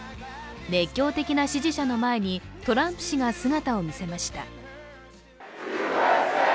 熱狂的な支持者の前にトランプ氏が姿を見せました。